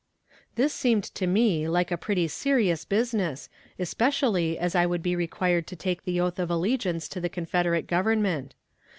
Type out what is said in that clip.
This seemed to me like pretty serious business, especially as I would be required to take the oath of allegiance to the Confederate Government.